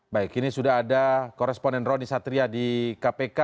baik ini sudah ada koresponden roni satria di kpk